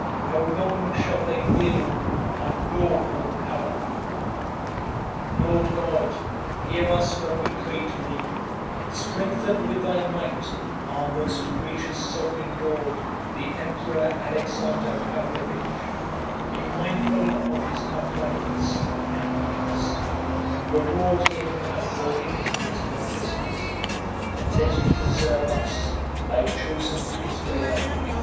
How long shall they wield unlawful power? "Lord God! Hear us when we pray to Thee; strengthen with Thy might our most gracious sovereign lord, the Emperor Alexander Pávlovich; be mindful of his uprightness and meekness, reward him according to his righteousness, and let it preserve us, Thy chosen Israel!